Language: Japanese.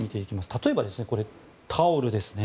例えば、タオルですね。